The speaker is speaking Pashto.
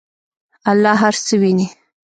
الله هر څه ویني.